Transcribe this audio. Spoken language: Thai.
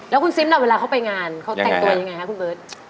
แล้วคุณซิมน่ะเวลาเขาไปงานเขาแต่งตัวยังไงคะคุณเบิร์ต